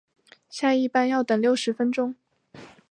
下一班要等六十分钟